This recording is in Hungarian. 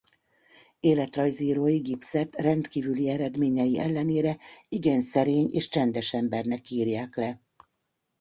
Életrajzírói Gibbset rendkívüli eredményei ellenére igen szerény és csendes embernek írják le.